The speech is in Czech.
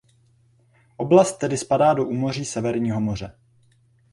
Oblast tedy spadá do úmoří Severního moře.